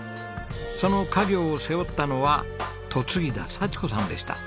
その家業を背負ったのは嫁いだ幸子さんでした。